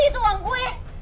ini tuh uang gue